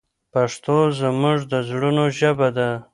پښتو زموږ د زړونو ژبه ده.